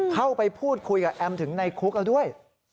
เข้าไปพูดคุยกับแอมถึงในคุกแล้วด้วย